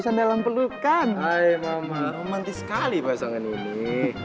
ya apaan sih lo lepasin gue